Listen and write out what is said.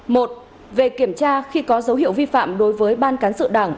một về kiểm tra khi có dấu hiệu vi phạm đối với ban cán sự đảng